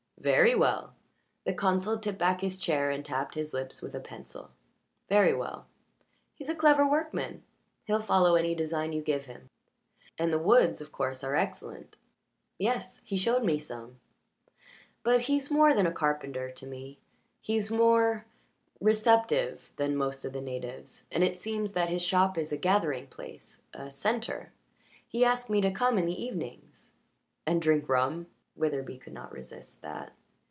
"Very well." The consul tipped back his chair and tapped his lips with a pencil. "Very well. He's a clever workman. He'll follow any design you give him, and the woods, of course, are excellent." "Yes. He showed me some. But he's more than a carpenter to me. He's more receptive than most of the natives, and it seems that his shop is a gathering place a centre. He asked me to come in the evenings." "And drink rum?" Witherbee could not resist that.